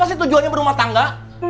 apa sih tujuannya berumah tangga